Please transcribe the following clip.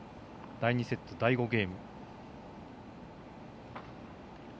第２セット第５ゲーム。